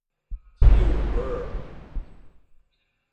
Furo Girl!